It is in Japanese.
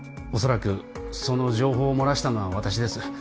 おそらくその情報を漏らしたのは私です